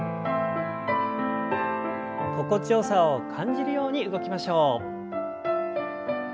心地よさを感じるように動きましょう。